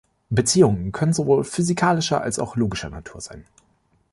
Beziehungen können sowohl physikalischer als auch logischer Natur sein.